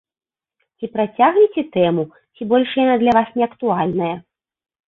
Ці працягнеце тэму, ці больш яна для вас не актуальная?